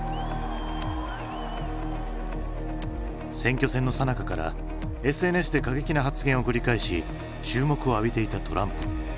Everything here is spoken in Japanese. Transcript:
選挙戦のさなかからＳＮＳで過激な発言を繰り返し注目を浴びていたトランプ。